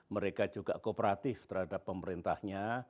mereka juga kooperatif terhadap pemerintahnya